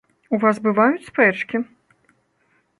У вас бываюць спрэчкі?